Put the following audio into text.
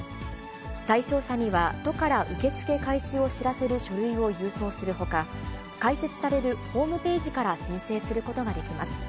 対象者には都から受け付け開始を知らせる書類を郵送するほか、開設されるホームページから申請することができます。